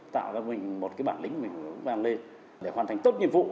tạo ra một bản lĩnh mình bàn lên để hoàn thành tốt nhiệm vụ